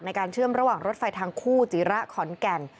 การเชื่อมระหว่างรถไฟทางคู่จิระขอนแก่น